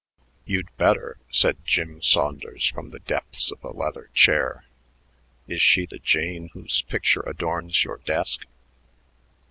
"You'd better," said Jim Saunders from the depths of a leather chair. "Is she the jane whose picture adorns your desk?"